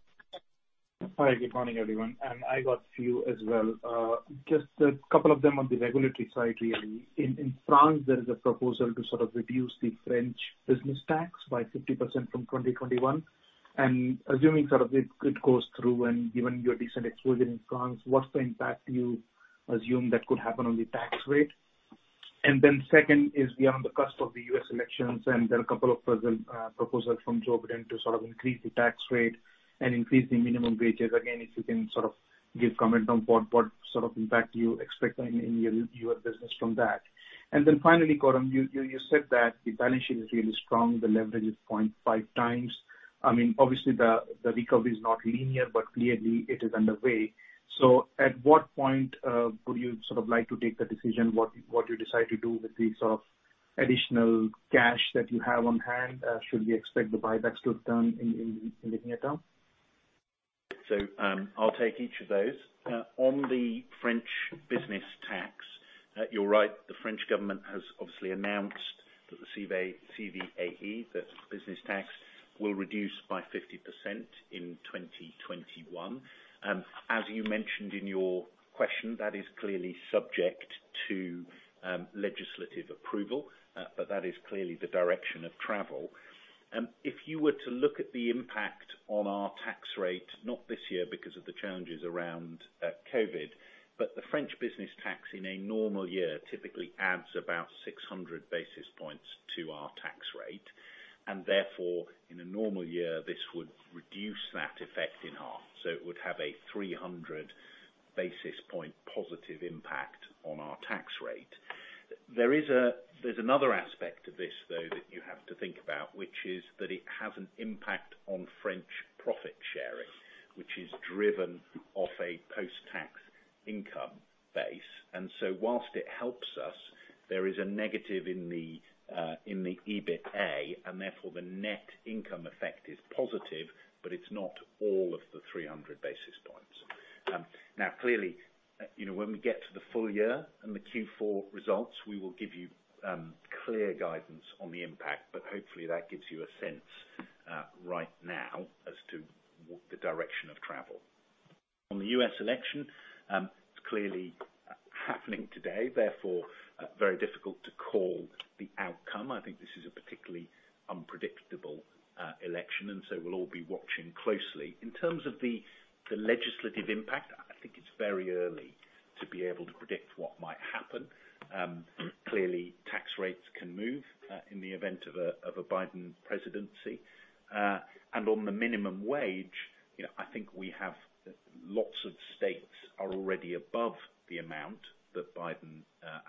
Hi. Good morning, everyone. I got few as well. Just a couple of them on the regulatory side, really. In France, there is a proposal to sort of reduce the French business tax by 50% from 2021. Assuming it goes through and given your decent exposure in France, what's the impact you assume that could happen on the tax rate? Second is, we are on the cusp of the U.S. elections, and there are a couple of proposals from Joe Biden to increase the tax rate and increase the minimum wages. Again, if you can sort of give comment on what sort of impact you expect in your U.S. business from that. Finally, Coram, you said that the balance sheet is really strong. The leverage is 0.5x. Obviously, the recovery is not linear, but clearly it is underway. At what point would you like to take the decision, what you decide to do with the additional cash that you have on hand? Should we expect the buybacks to return in the near term? I'll take each of those. On the French business tax, you're right, the French government has obviously announced that the CVAE, the business tax, will reduce by 50% in 2021. As you mentioned in your question, that is clearly subject to legislative approval, but that is clearly the direction of travel. If you were to look at the impact on our tax rate, not this year because of the challenges around COVID, but the French business tax in a normal year typically adds about 600 basis points to our tax rate. Therefore, in a normal year, this would reduce that effect in half. It would have a 300 basis point positive impact on our tax rate. There's another aspect to this, though, that you have to think about, which is that it has an impact on French profit sharing, which is driven off a post-tax income base. Whilst it helps us, there is a negative in the EBITDA, and therefore the net income effect is positive, but it's not all of the 300 basis points. Clearly, when we get to the full year and the Q4 results, we will give you clear guidance on the impact, but hopefully that gives you a sense right now as to the direction of travel. On the U.S. election, it's clearly happening today, therefore, very difficult to call the outcome. This is a particularly unpredictable election, and so we'll all be watching closely. In terms of the legislative impact, I think it's very early to be able to predict what might happen. Tax rates can move in the event of a Biden presidency. On the minimum wage, I think we have lots of states are already above the amount that Biden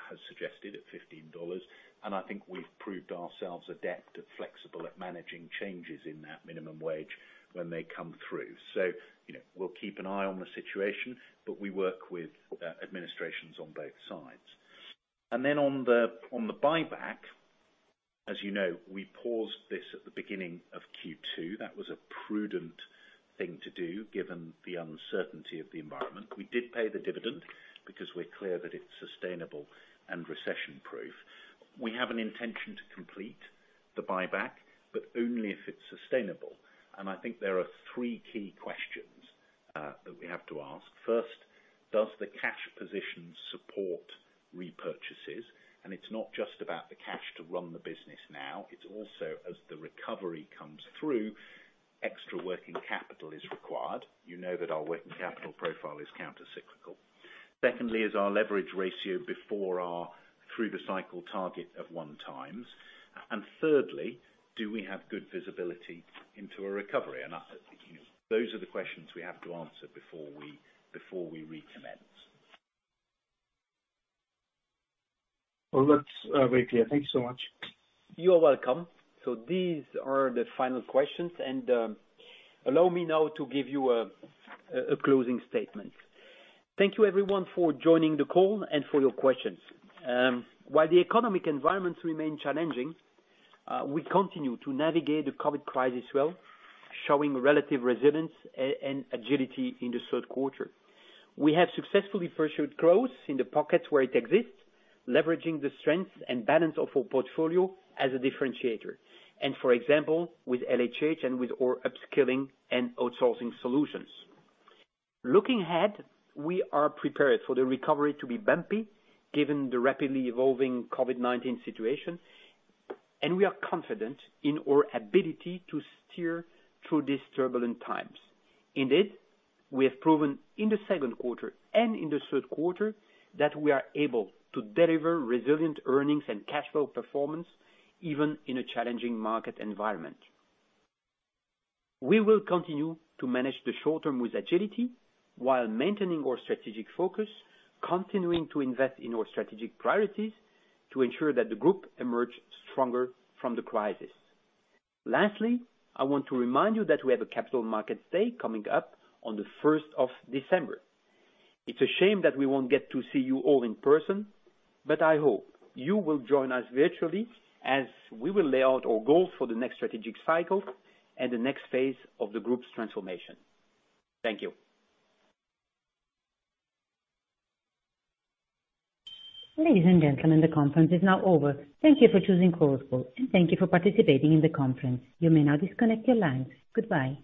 has suggested at $15. I think we've proved ourselves adept and flexible at managing changes in that minimum wage when they come through. We'll keep an eye on the situation, but we work with administrations on both sides. On the buyback, as you know, we paused this at the beginning of Q2. That was a prudent thing to do given the uncertainty of the environment. We did pay the dividend because we're clear that it's sustainable and recession-proof. We have an intention to complete the buyback, but only if it's sustainable. I think there are three key questions that we have to ask. First, does the cash position support repurchases? It's not just about the cash to run the business now, it's also as the recovery comes through, extra working capital is required. You know that our working capital profile is countercyclical. Secondly, is our leverage ratio before our through-the-cycle target of one times. Thirdly, do we have good visibility into a recovery? Those are the questions we have to answer before we recommence. Well, that's great. Thank you so much. You are welcome. These are the final questions. Allow me now to give you a closing statement. Thank you everyone for joining the call and for your questions. While the economic environment remain challenging, we continue to navigate the COVID crisis well, showing relative resilience and agility in the third quarter. We have successfully pursued growth in the pockets where it exists, leveraging the strength and balance of our portfolio as a differentiator. For example, with LHH and with our upskilling and outsourcing solutions. Looking ahead, we are prepared for the recovery to be bumpy, given the rapidly evolving COVID-19 situation, and we are confident in our ability to steer through these turbulent times. Indeed, we have proven in the second quarter and in the third quarter that we are able to deliver resilient earnings and cash flow performance, even in a challenging market environment. We will continue to manage the short term with agility while maintaining our strategic focus, continuing to invest in our strategic priorities to ensure that the group emerges stronger from the crisis. Lastly, I want to remind you that we have a Capital Markets Day coming up on the 1st of December. It's a shame that we won't get to see you all in person, but I hope you will join us virtually as we will lay out our goals for the next strategic cycle and the next phase of the group's transformation. Thank you. Ladies and gentlemen, the conference is now over. Thank you for choosing Chorus Call, and thank you for participating in the conference. You may now disconnect your lines. Goodbye.